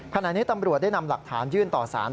ขณะนี้ตำรวจได้นำหลักฐานยื่นต่อสาร